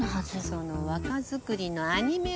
その若作りのアニメ